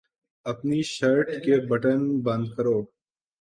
اپنی شرٹ کے بٹن بند کرو